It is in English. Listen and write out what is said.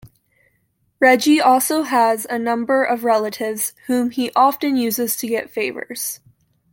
Reggie also has a number of relatives whom he often uses to get favors.